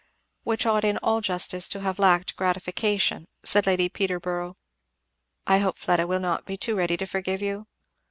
"Which ought in all justice to have lacked gratification," said Lady Peterborough. "I hope Fleda will not be too ready to forgive you."